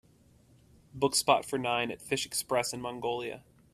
book spot for nine at Fish Express in Mongolia